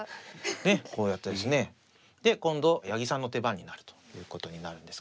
こうやってですねで今度八木さんの手番になるということになるんですかね。